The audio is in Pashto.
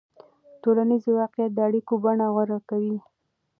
ټولنیز واقعیت د اړیکو بڼه غوره کوي.